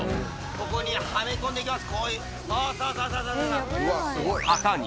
ここにはめ込んでいきます